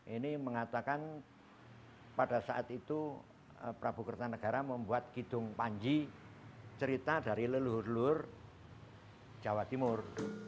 ini mengatakan pada saat itu prabu kertanegara membuat kidung panji cerita dari leluhur lelur jawa timur